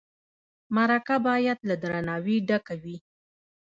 مرکه باید له درناوي ډکه وي.